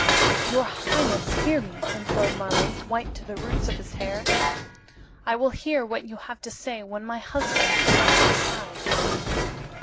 "Your highness, hear me," implored Marlanx, white to the roots of his hair. "I will hear what you have to say when my husband is at my side."